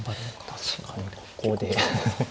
確かにここで。